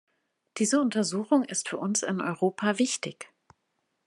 Diese Untersuchung ist für uns in Europa wichtig!